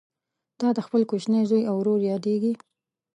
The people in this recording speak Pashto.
تاته خپل کوچنی زوی او ورور یادیږي